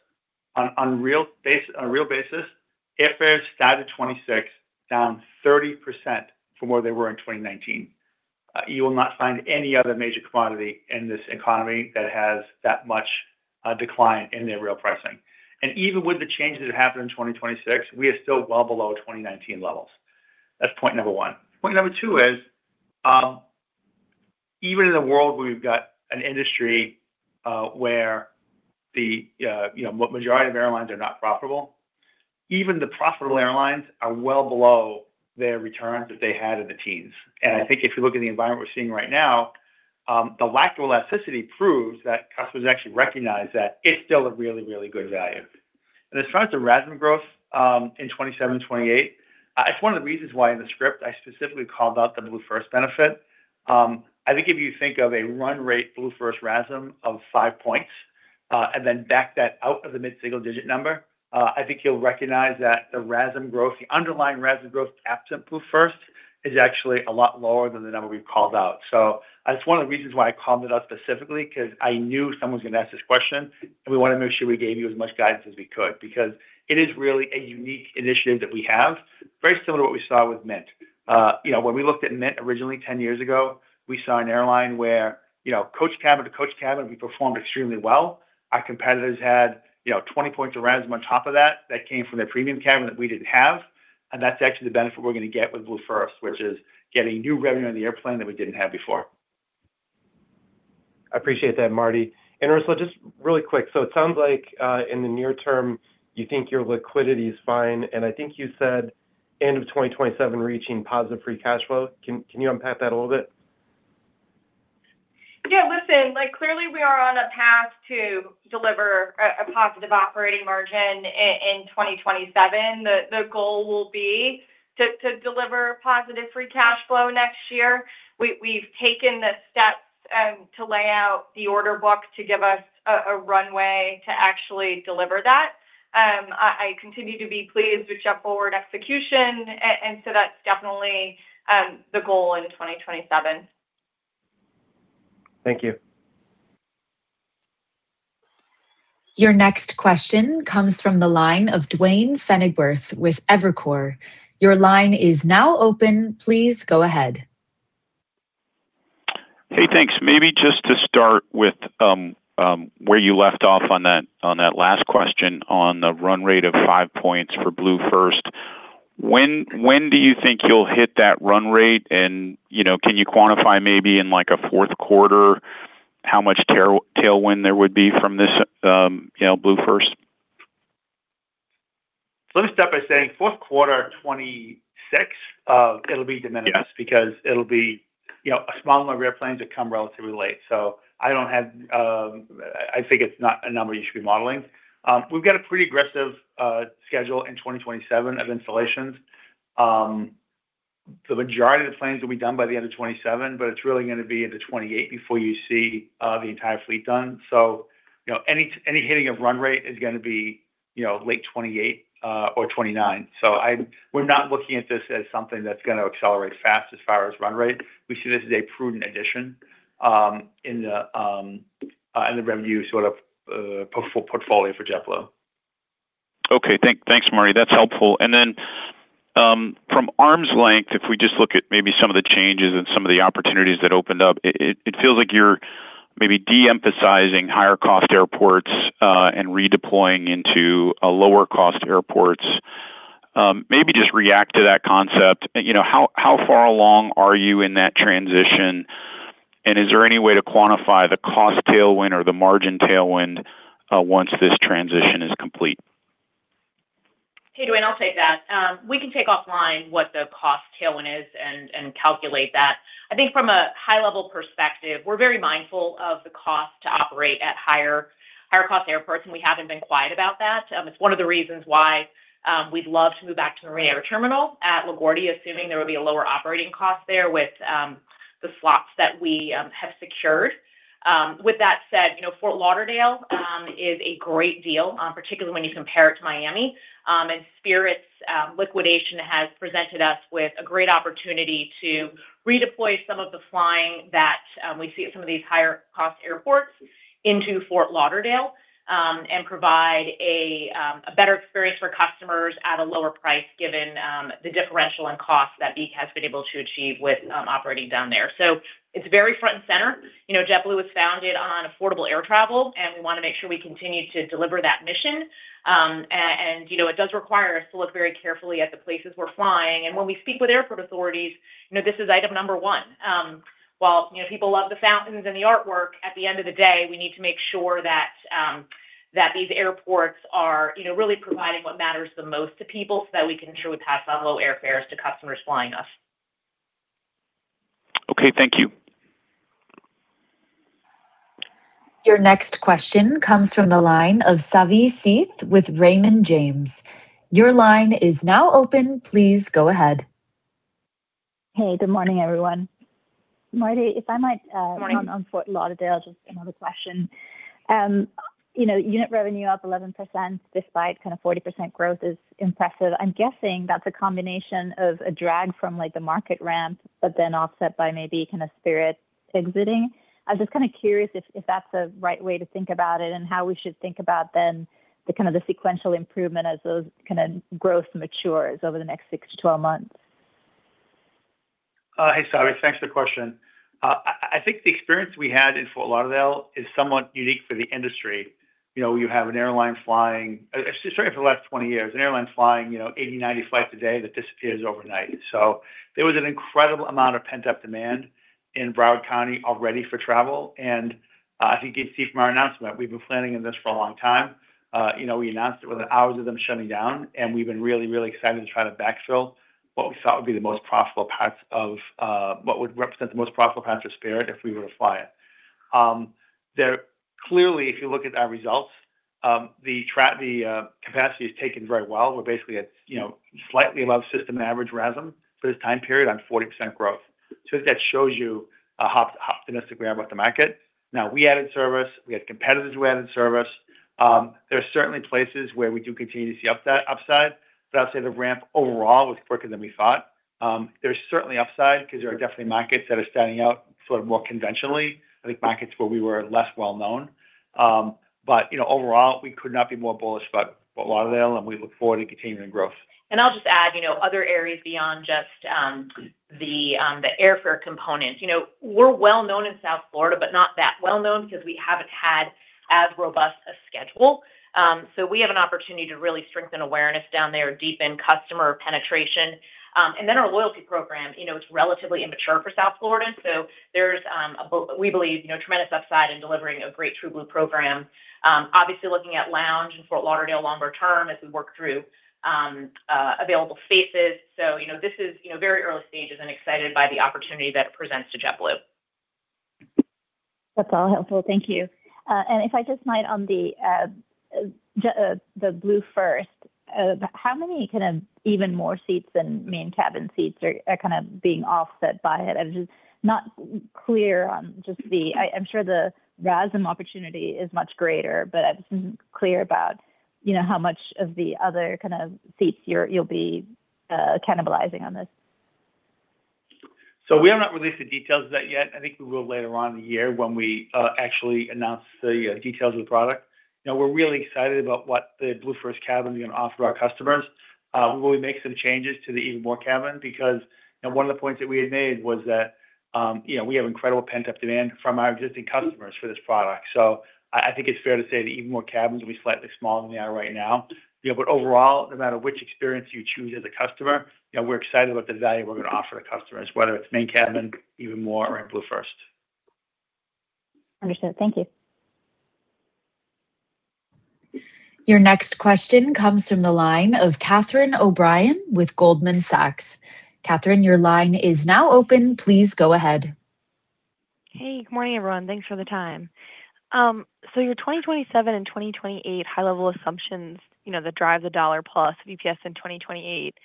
On a real basis, airfares started 2026 down 30% from where they were in 2019. You will not find any other major commodity in this economy that has that much decline in their real pricing. Even with the changes that happened in 2026, we are still well below 2019 levels. That's point number one. Point number two is, even in a world where we've got an industry where the majority of airlines are not profitable, even the profitable airlines are well below their returns that they had in the teens. I think if you look at the environment we're seeing right now, the lack of elasticity proves that customers actually recognize that it's still a really, really good value. As far as the RASM growth in 2027, 2028, it's one of the reasons why in the script, I specifically called out the BlueFirst benefit. I think if you think of a run rate BlueFirst RASM of five points, then back that out of the mid single-digit number, I think you'll recognize that the RASM growth, the underlying RASM growth absent BlueFirst is actually a lot lower than the number we've called out. That's one of the reasons why I called it out specifically, because I knew someone was going to ask this question, and we wanted to make sure we gave you as much guidance as we could, because it is really a unique initiative that we have, very similar to what we saw with Mint. When we looked at Mint originally 10 years ago, we saw an airline where coach cabin to coach cabin, we performed extremely well. Our competitors had 20 points of RASM on top of that that came from their premium cabin that we didn't have. That's actually the benefit we're going to get with BlueFirst, which is getting new revenue on the airplane that we didn't have before. I appreciate that, Marty. Ursula, just really quick, it sounds like in the near term, you think your liquidity is fine, and I think you said end of 2027 reaching positive free cash flow. Can you unpack that a little bit? Yeah, listen, clearly we are on a path to deliver a positive operating margin in 2027. The goal will be to deliver positive free cash flow next year. We've taken the steps to lay out the order book to give us a runway to actually deliver that. I continue to be pleased with JetForward execution. That's definitely the goal in 2027. Thank you. Your next question comes from the line of Duane Pfennigwerth with Evercore. Your line is now open. Please go ahead. Hey, thanks. Maybe just to start with where you left off on that last question on the run rate of five points for BlueFirst, when do you think you'll hit that run rate? Can you quantify maybe in like a fourth quarter, how much tailwind there would be from this BlueFirst? Let me start by saying fourth quarter 2026, it'll be de minimis because it'll be a smaller rear planes that come relatively late. I think it's not a number you should be modeling. We've got a pretty aggressive schedule in 2027 of installations. The majority of the planes will be done by the end of 2027, but it's really going to be into 2028 before you see the entire fleet done. Any hitting of run rate is going to be late 2028 or 2029. We're not looking at this as something that's going to accelerate fast as far as run rate. We see this as a prudent addition in the revenue sort of portfolio for JetBlue. Okay. Thanks, Marty. That's helpful. Then, from arm's length, if we just look at maybe some of the changes and some of the opportunities that opened up, it feels like you're maybe de-emphasizing higher cost airports, and redeploying into a lower cost airports. Maybe just react to that concept. How far along are you in that transition, and is there any way to quantify the cost tailwind or the margin tailwind once this transition is complete? Hey, Duane, I'll take that. We can take offline what the cost tailwind is and calculate that. I think from a high level perspective, we're very mindful of the cost to operate at higher cost airports, and we haven't been quiet about that. It's one of the reasons why we'd love to move back to the Marine Air Terminal at LaGuardia, assuming there would be a lower operating cost there with the slots that we have secured. With that said, Fort Lauderdale is a great deal, particularly when you compare it to Miami. Spirit Airlines' liquidation has presented us with a great opportunity to redeploy some of the flying that we see at some of these higher cost airports into Fort Lauderdale, and provide a better experience for customers at a lower price, given the differential in cost that [Blue] has been able to achieve with operating down there. It's very front and center. JetBlue was founded on affordable air travel, and we want to make sure we continue to deliver that mission. It does require us to look very carefully at the places we're flying. When we speak with airport authorities, this is item number one. While people love the fountains and the artwork, at the end of the day, we need to make sure that these airports are really providing what matters the most to people so that we can truly pass on low airfares to customers flying us. Okay. Thank you. Your next question comes from the line of Savi Syth with Raymond James. Your line is now open. Please go ahead. Hey, good morning, everyone. Marty, if I might- Morning. On Fort Lauderdale, just another question. Unit revenue up 11% despite kind of 40% growth is impressive. I'm guessing that's a combination of a drag from the market ramp, but then offset by maybe kind of Spirit Airlines exiting. I was just kind of curious if that's the right way to think about it and how we should think about then the kind of the sequential improvement as those kind of growth matures over the next 6-12 months. Hey, Savi. Thanks for the question. I think the experience we had in Fort Lauderdale is somewhat unique for the industry. Certainly for the last 20 years, an airline flying 80, 90 flights a day that disappears overnight. There was an incredible amount of pent-up demand in Broward County already for travel, and I think you can see from our announcement, we've been planning in this for a long time. We announced it within hours of them shutting down, and we've been really, really excited to try to backfill what would represent the most profitable paths of Spirit Airlines if we were to fly it. Clearly, if you look at our results, the capacity has taken very well. We're basically at slightly above system average RASM for this time period on 40% growth. That shows you how optimistic we are about the market. We added service, we had competitors who added service. There are certainly places where we do continue to see upside, but I'd say the ramp overall was quicker than we thought. There's certainly upside because there are definitely markets that are standing out sort of more conventionally. I think markets where we were less well-known. Overall we could not be more bullish about Lauderdale, and we look forward to continuing the growth. I'll just add, other areas beyond just the airfare component. We're well-known in South Florida, but not that well-known because we haven't had as robust a schedule. We have an opportunity to really strengthen awareness down there, deepen customer penetration. Our loyalty program, it's relatively immature for South Florida, there's, we believe, tremendous upside in delivering a great TrueBlue program. Obviously looking at BlueHouse and Fort Lauderdale longer term as we work through available spaces. This is very early stages and excited by the opportunity that it presents to JetBlue. That's all helpful. Thank you. If I just might on the BlueFirst, how many kind of EvenMore seats than Main seats are kind of being offset by it? I'm sure the RASM opportunity is much greater, but I'm just not clear about how much of the other kind of seats you'll be cannibalizing on this. We have not released the details of that yet. I think we will later on in the year when we actually announce the details of the product. We're really excited about what the BlueFirst cabin is going to offer our customers. We will be making some changes to the EvenMore cabin because one of the points that we had made was that we have incredible pent-up demand from our existing customers for this product. I think it's fair to say that EvenMore cabins will be slightly smaller than they are right now. Overall, no matter which experience you choose as a customer, we're excited about the value we're going to offer the customers, whether it's Main Cabin, EvenMore, or BlueFirst. Understood. Thank you. Your next question comes from the line of Catherine O'Brien with Goldman Sachs. Catherine, your line is now open. Please go ahead. Hey, good morning, everyone. Thanks for the time. Your 2027 and 2028 high-level assumptions, that drive the $1 plus EPS in 2028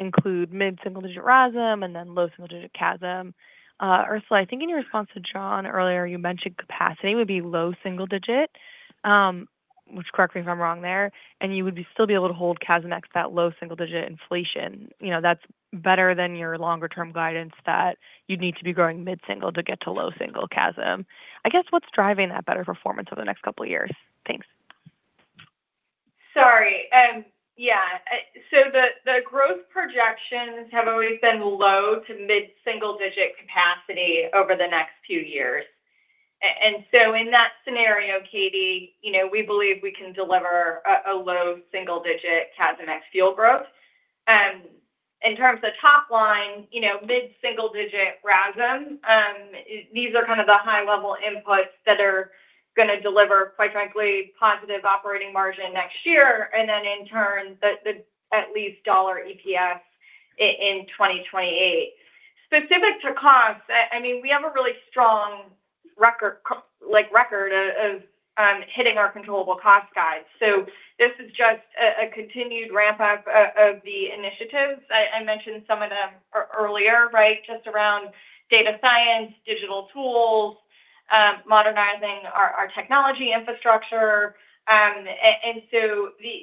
include mid-single-digit RASM and then low single-digit CASM. Ursula, I think in your response to John earlier, you mentioned capacity would be low single-digit, correct me if I'm wrong there, and you would still be able to hold CASM ex that low single-digit inflation. That's better than your longer-term guidance that you'd need to be growing mid single-digit to get to low single-digit CASM. I guess, what's driving that better performance over the next couple of years? Thanks. Sorry. Yeah. The growth projections have always been low to mid-single-digit capacity over the next two years. In that scenario, Catie, we believe we can deliver a low single-digit CASM ex-fuel growth. In terms of top line, mid single-digit RASM. These are kind of the high-level inputs that are going to deliver, quite frankly, positive operating margin next year, and in turn, at least dollar EPS in 2028. Specific to costs, we have a really strong record of hitting our controllable cost guides. This is just a continued ramp-up of the initiatives. I mentioned some of them earlier, just around data science, digital tools, modernizing our technology infrastructure.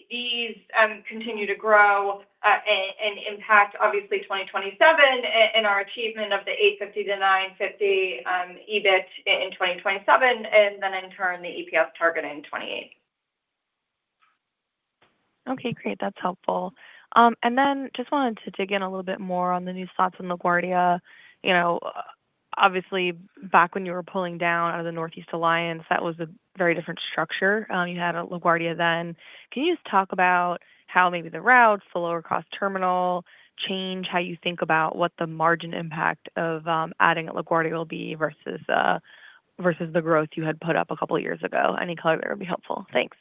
These continue to grow and impact, obviously, 2027 in our achievement of the $850 million-$950 million EBIT in 2027, and in turn, the EPS target in 2028. Okay, great. That's helpful. Just wanted to dig in a little bit more on the new slots in LaGuardia. Obviously, back when you were pulling down out of the Northeast Alliance, that was a very different structure you had at LaGuardia then. Can you just talk about how maybe the routes, the lower cost terminal change how you think about what the margin impact of adding at LaGuardia will be, versus the growth you had put up a couple of years ago? Any color there would be helpful. Thanks.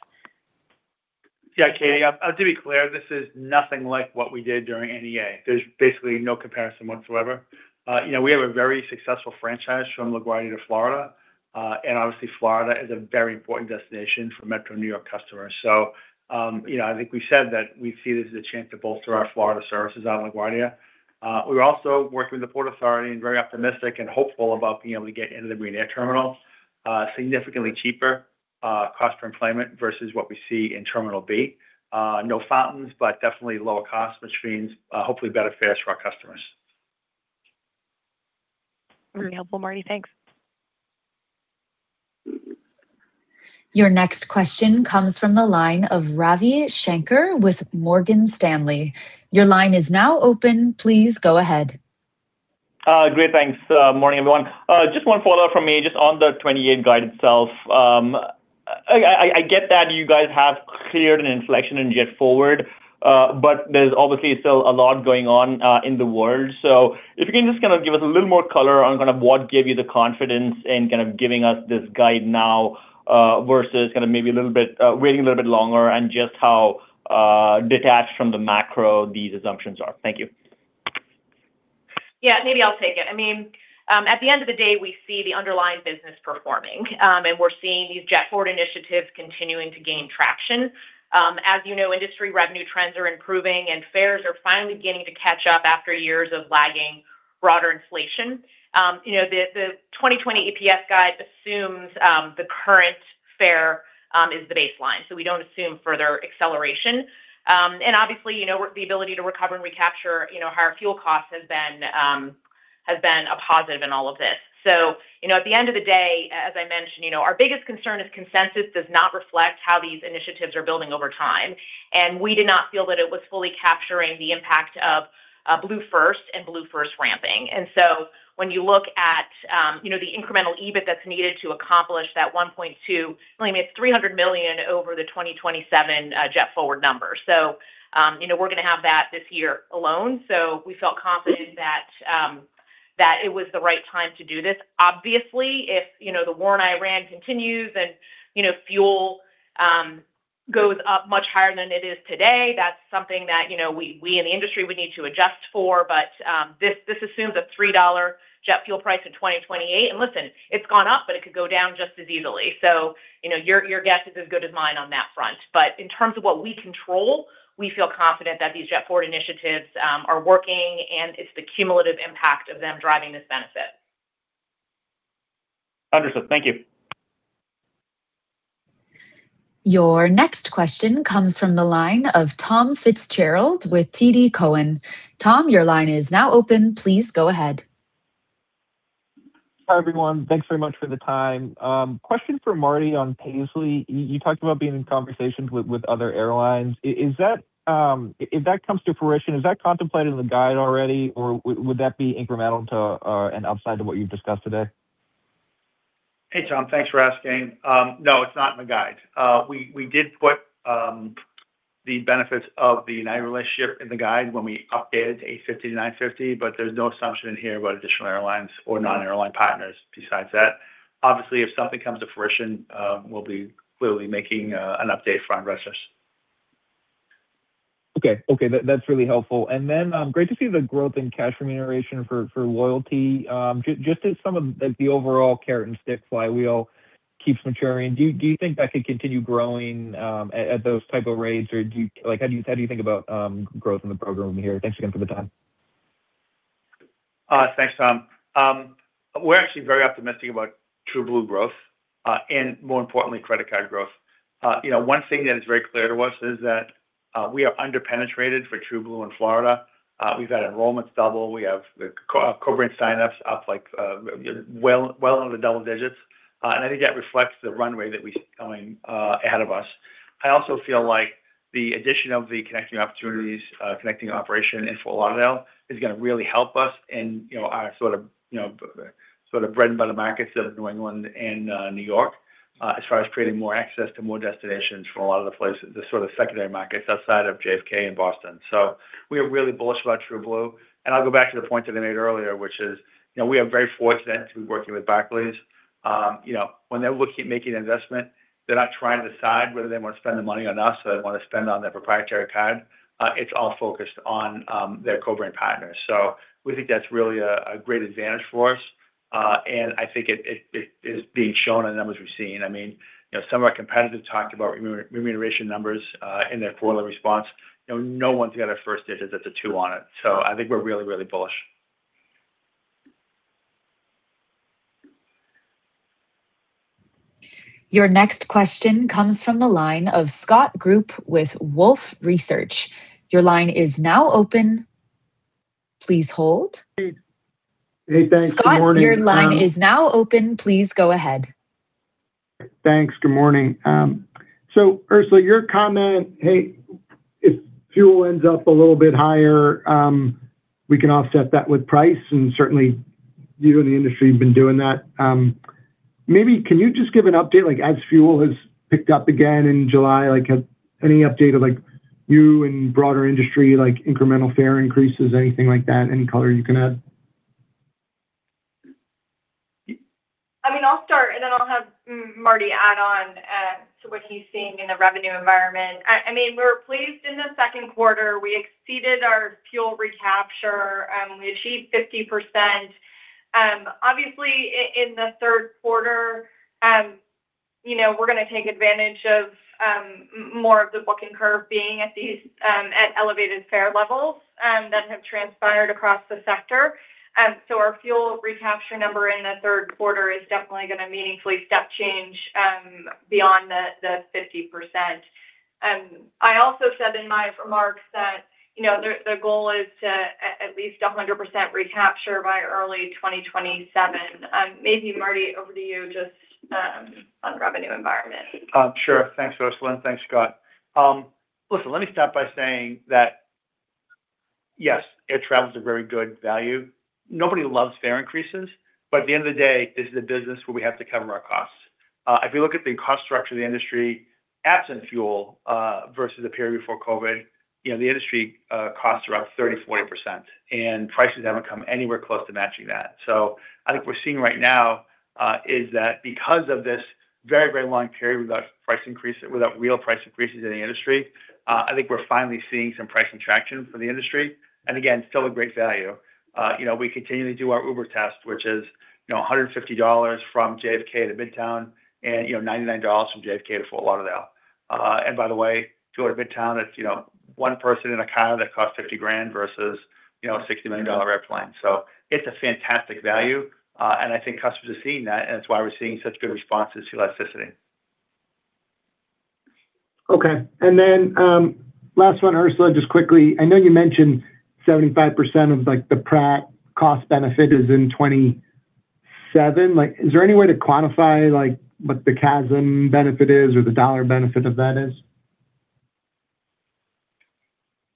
Yeah, Catie. To be clear, this is nothing like what we did during NEA. There's basically no comparison whatsoever. We have a very successful franchise from LaGuardia to Florida. Obviously Florida is a very important destination for Metro New York customers. I think we said that we see this as a chance to bolster our Florida services out of LaGuardia. We are also working with the Port Authority and very optimistic and hopeful about being able to get into the Marine Air Terminal. Significantly cheaper cost per enplanement versus what we see in Terminal B. No fountains, but definitely lower cost, which means hopefully better fares for our customers. Very helpful, Marty. Thanks. Your next question comes from the line of Ravi Shanker with Morgan Stanley. Your line is now open. Please go ahead. Great, thanks. Morning, everyone. Just one follow-up from me, just on the 2028 guide itself. I get that you guys have cleared an inflection in JetForward, but there is obviously still a lot going on in the world. If you can just give us a little more color on what gave you the confidence in giving us this guide now, versus maybe waiting a little bit longer, and just how detached from the macro these assumptions are. Thank you. Yeah, maybe I will take it. At the end of the day, we see the underlying business performing. We are seeing these JetForward initiatives continuing to gain traction. As you know, industry revenue trends are improving, and fares are finally beginning to catch up after years of lagging broader inflation. The 2028 EPS guide assumes the current fare is the baseline, we do not assume further acceleration. Obviously, the ability to recover and recapture higher fuel costs has been a positive in all of this. At the end of the day, as I mentioned, our biggest concern is consensus does not reflect how these initiatives are building over time. We did not feel that it was fully capturing the impact of BlueFirst and BlueFirst ramping. When you look at the incremental EBIT that is needed to accomplish that $1.2 billion, it is $300 million over the 2027 JetForward number. We are going to have that this year alone. We felt confident that it was the right time to do this. Obviously, if the war in Iran continues and fuel goes up much higher than it is today, that is something that we in the industry would need to adjust for. This assumes a $3.00 jet fuel price in 2028. Listen, it has gone up, it could go down just as easily. Your guess is as good as mine on that front. In terms of what we control, we feel confident that these JetForward initiatives are working and it is the cumulative impact of them driving this benefit. Understood. Thank you. Your next question comes from the line of Tom Fitzgerald with TD Cowen. Tom, your line is now open. Please go ahead. Hi, everyone. Thanks very much for the time. Question for Marty on Paisly. You talked about being in conversations with other airlines. If that comes to fruition, is that contemplated in the guide already, or would that be incremental to an upside to what you've discussed today? Hey, Tom. Thanks for asking. No, it's not in the guide. We did put the benefits of the United relationship in the guide when we updated to $850 million-$950 million, there's no assumption in here about additional airlines or non-airline partners besides that. Obviously, if something comes to fruition, we'll be clearly making an update for investors. Okay. That's really helpful. Great to see the growth in cash remuneration for loyalty. As some of the overall carrot and stick flywheel keeps maturing, do you think that could continue growing at those type of rates? How do you think about growth in the program here? Thanks again for the time. Thanks, Tom. We're actually very optimistic about TrueBlue growth, and more importantly, credit card growth. One thing that is very clear to us is that we are under-penetrated for TrueBlue in Florida. We've had enrollments double. We have the co-brand sign-ups up well into double digits. I think that reflects the runway that we see going ahead of us. I also feel like the addition of the connecting opportunities, connecting operation in Fort Lauderdale is going to really help us in our bread and butter markets of New England and New York, as far as creating more access to more destinations for a lot of the places, the sort of secondary markets outside of JFK and Boston. We are really bullish about TrueBlue, and I'll go back to the point that I made earlier, which is, we are very fortunate to be working with Barclays. When they're looking at making an investment, they're not trying to decide whether they want to spend the money on us or they want to spend it on their proprietary card. It's all focused on their co-brand partners. We think that's really a great advantage for us. I think it is being shown in the numbers we've seen. Some of our competitors talked about remuneration numbers in their quarterly response. No one's got a first digit that's a two on it. I think we're really, really bullish. Your next question comes from the line of Scott Group with Wolfe Research. Your line is now open. Please hold. Hey, thanks. Good morning. Scott, your line is now open. Please go ahead. Thanks. Good morning. Ursula, your comment, if fuel ends up a little bit higher, we can offset that with price and certainly you in the industry have been doing that. Maybe can you just give an update, as fuel has picked up again in July, any update of you and broader industry, incremental fare increases, anything like that? Any color you can add? I'll start and then I'll have Marty add on to what he's seeing in the revenue environment. We were pleased in the second quarter, we exceeded our fuel recapture. We achieved 50%. Obviously, in the third quarter, we're going to take advantage of more of the booking curve being at elevated fare levels that have transpired across the sector. Our fuel recapture number in the third quarter is definitely going to meaningfully step change beyond the 50%. I also said in my remarks that the goal is to at least 100% recapture by early 2027. Maybe Marty, over to you just on revenue environment. Sure. Thanks, Ursula, and thanks, Scott. Listen, let me start by saying that, yes, air travel is a very good value. Nobody loves fare increases. At the end of the day, this is a business where we have to cover our costs. If you look at the cost structure of the industry, absent fuel, versus the period before COVID, the industry costs are up 30%, 40%. Prices haven't come anywhere close to matching that. I think we're seeing right now is that because of this very, very long period without real price increases in the industry, I think we're finally seeing some pricing traction for the industry. Again, still a great value. We continue to do our Uber test, which is $150 from JFK to Midtown and $99 from JFK to Fort Lauderdale. By the way, to go to Midtown, it's one person in a car that costs $50,000 versus a $60 million airplane. It's a fantastic value. I think customers are seeing that, and that's why we're seeing such good responses to elasticity. Okay. Last one, Ursula, just quickly, I know you mentioned 75% of the Pratt & Whitney cost benefit is in 2027. Is there any way to quantify what the CASM benefit is or the dollar benefit of that is?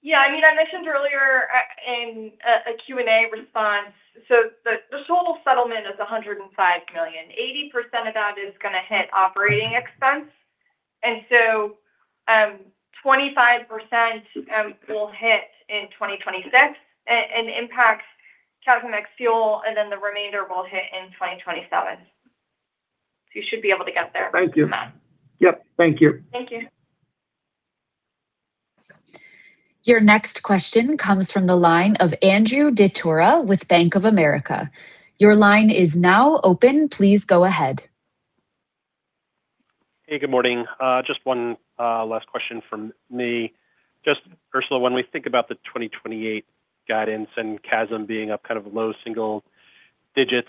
Yeah, I mentioned earlier in a Q&A response. The total settlement is $105 million. 80% of that is going to hit operating expense. 25% will hit in 2026 and impact CASM ex-fuel, and then the remainder will hit in 2027. You should be able to get there from that. Thank you. Yep. Thank you. Thank you. Your next question comes from the line of Andrew Didora with Bank of America. Your line is now open. Please go ahead. Hey, good morning. Ursula, when we think about the 2028 guidance and CASM being up low single-digits,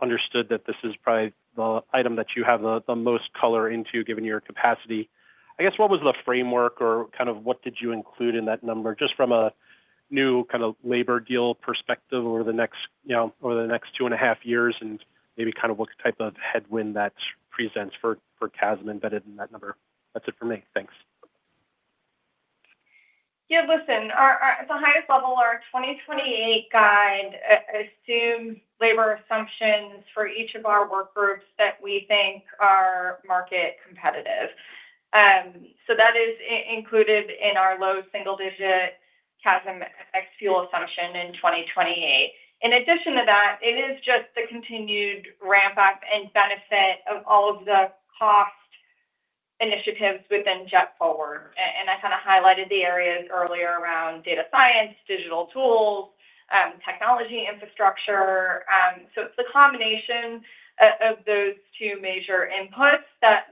understood that this is probably the item that you have the most color into, given your capacity. I guess what was the framework or what did you include in that number, from a new labor deal perspective over the next two and a half years, and maybe what type of headwind that presents for CASM embedded in that number? That's it for me. Thanks. Listen, at the highest level, our 2028 guide assumes labor assumptions for each of our work groups that we think are market competitive. That is included in our low single-digit CASM ex-fuel assumption in 2028. In addition to that, it is just the continued ramp-up and benefit of all of the cost initiatives within JetForward. I kind of highlighted the areas earlier around data science, digital tools, technology infrastructure. It's the combination of those two major inputs that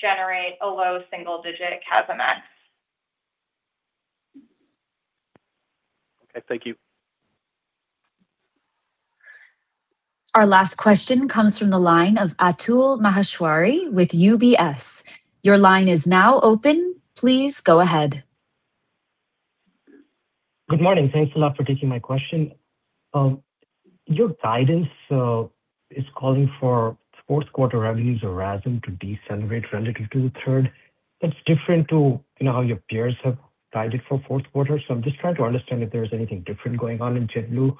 generate a low single-digit CASM ex-fuel. Okay. Thank you. Our last question comes from the line of Atul Maheswari with UBS. Your line is now open. Please go ahead. Good morning. Thanks a lot for taking my question. Your guidance is calling for fourth quarter revenues or RASM to decelerate relative to the third. That's different to how your peers have guided for fourth quarter. I'm just trying to understand if there's anything different going on in JetBlue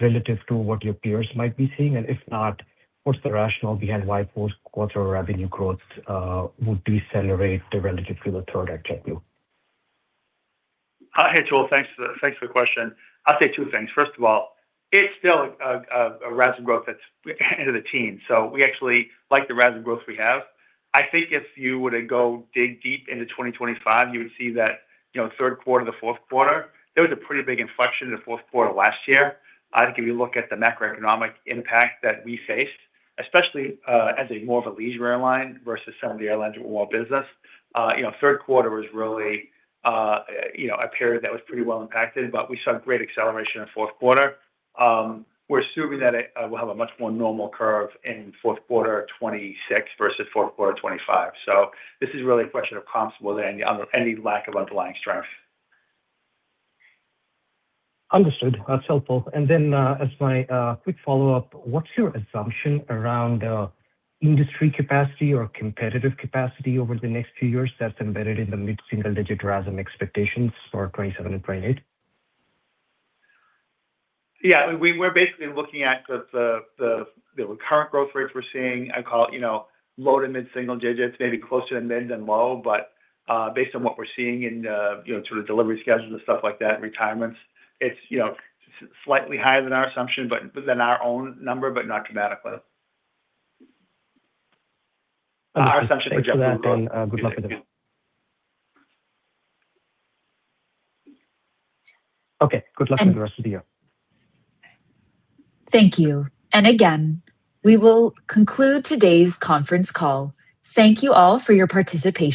relative to what your peers might be seeing. If not, what's the rationale behind why fourth quarter revenue growth would decelerate relatively to the third at JetBlue? Hi, Atul. Thanks for the question. I'll say two things. First of all, it's still a RASM growth that's end of the teen, we actually like the RASM growth we have. I think if you were to go dig deep into 2025, you would see that third quarter to fourth quarter, there was a pretty big inflection in the fourth quarter last year. I think if you look at the macroeconomic impact that we faced, especially as a more of a leisure airline versus some of the airlines that were more business. Third quarter was really a period that was pretty well impacted, but we saw great acceleration in fourth quarter. We're assuming that it will have a much more normal curve in fourth quarter 2026 versus fourth quarter 2025. This is really a question of comps more than any lack of underlying strength. Understood. That's helpful. Then, as my quick follow-up, what's your assumption around industry capacity or competitive capacity over the next few years that's embedded in the mid single-digit RASM expectations for 2027 and 2028? Yeah, we're basically looking at the current growth rates we're seeing. I call it low to mid single-digits, maybe closer to mid than low, but based on what we're seeing in delivery schedules and stuff like that, retirements, it's slightly higher than our assumption, but than our own number, but not dramatically. Our assumption for JetBlue- Thanks for that and good luck with it. Okay. Good luck with the rest of the year. Thank you. Again, we will conclude today's conference call. Thank you all for your participation.